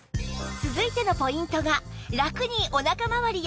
続いてのポイントが